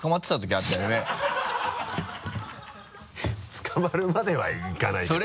捕まるまではいかないけどね。